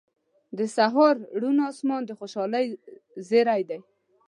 • د سهار روڼ آسمان د خوشحالۍ زیری دی.